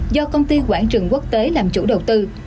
do công ty quảng trường quốc tế làm chủ đầu tư